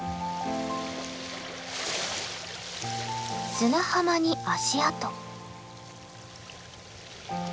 砂浜に足跡。